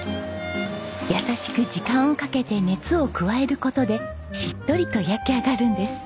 優しく時間をかけて熱を加える事でしっとりと焼き上がるんです。